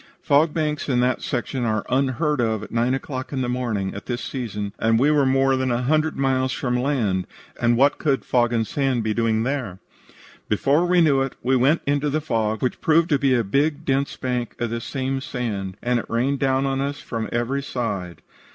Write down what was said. Fog banks in that section are unheard of at nine o'clock in the morning at this season, and we were more than a hundred miles from land, and what could fog and sand be doing there. "Before we knew it, we went into the fog, which proved to be a big dense bank of this same sand, and it rained down on us from every side.